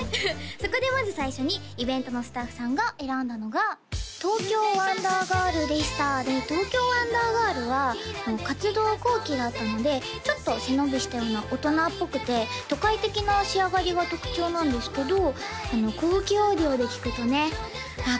そこでまず最初にイベントのスタッフさんが選んだのが「ＴＯＫＹＯＷＯＮＤＥＲＧＩＲＬ」でした「ＴＯＫＹＯＷＯＮＤＥＲＧＩＲＬ」は活動後期だったのでちょっと背伸びしたような大人っぽくて都会的な仕上がりが特徴なんですけど高級オーディオで聴くとねああ